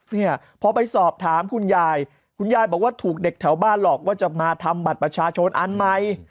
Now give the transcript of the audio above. เนี่ยพอไปสอบถามคุณยายคุณยายบอกว่าถูกเด็กแถวบ้านหลอกว่าจะมาทำบัตรประชาชนอันใหม่